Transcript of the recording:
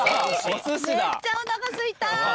めっちゃおなかすいた。